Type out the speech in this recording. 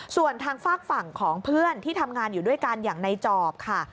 ส่วนทางฝากฝั่งของเพื่อนที่ทำงานอยู่ด้วยกันอย่างในจอบค่ะ